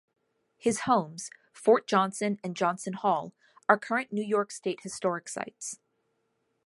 His homes, Fort Johnson and Johnson Hall are current New York State Historic Sites.